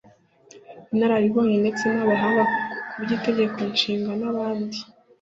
inararibonye ndetse n’abahanga ku by’Itegeko Nshinga n’abandi